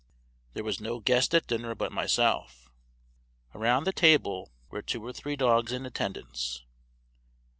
There was no guest at dinner but myself. Around the table were two or three dogs in attendance.